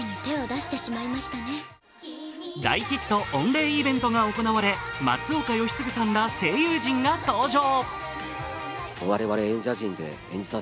大ヒット御礼イベントが行われ、松岡禎丞さんら声優陣が登場。